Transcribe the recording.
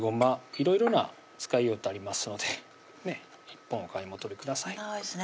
いろいろな使いようってありますので１本お買い求めくださいそうですね